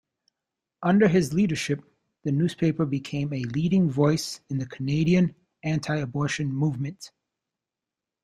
Under his leadership, the newspaper became a leading voice in the Canadian anti-abortion movement.